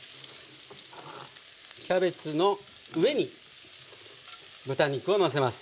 キャベツの上に豚肉をのせます。